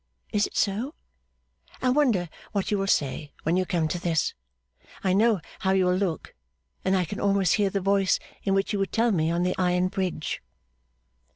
Is it so? I wonder what you will say when you come to this! I know how you will look, and I can almost hear the voice in which you would tell me on the Iron Bridge.